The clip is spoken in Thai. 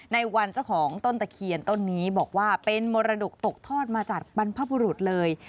ในวันเจ้าของต้นตะเคียนต้นนี้บอกว่าเป็นมรดกตกทอดมาจากบรรพบุรุษเลย